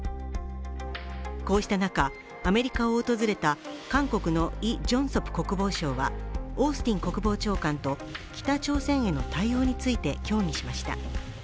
こうした中、アメリカを訪れた韓国のイ・ジョンソプ国防相はオースティン国防長官と北朝鮮への対応について協議しました。